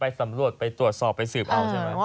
สำรวจไปตรวจสอบไปสืบเอาใช่ไหม